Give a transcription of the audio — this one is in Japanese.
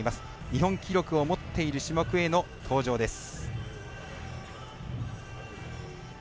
日本記録を持っている種目への登場です。